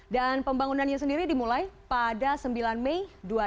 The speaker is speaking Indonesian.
dan pembangunannya sendiri dimulai pada sembilan mei dua ribu lima belas